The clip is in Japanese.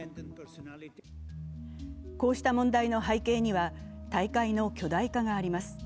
こうした問題の背景には大会の巨大化があります。